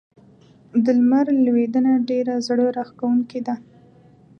د لمر لوېدنه ډېره زړه راښکونکې ده.